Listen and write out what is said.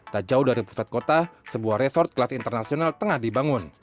tak jauh dari pusat kota sebuah resort kelas internasional tengah dibangun